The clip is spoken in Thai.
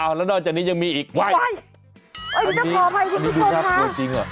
เอ้าแล้วนอกจากนี้ยังมีอีกว่ายอันนี้จริงขออภัยคุณผู้ชมค่ะ